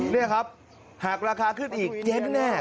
นี่ครับหากราคาขึ้นอีกเย็นแน่